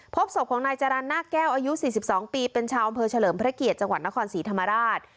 พบศพของนายจรรย์หน้าแก้วอายุ๔๒ปีเป็นชาวอำเภอเฉลิมพระเกียรติจังหวัดนครศรีธรรมราช